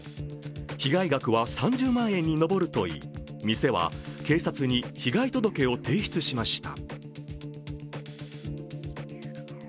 被害額は３０万円に上るといい店は警察に被害届を提出しました。